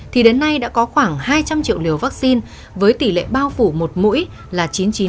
thì đến nay đã có khoảng hai trăm linh triệu liều vaccine với tỷ lệ bao phủ một mũi là chín mươi chín